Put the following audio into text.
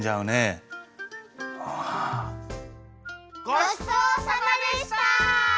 ごちそうさまでした！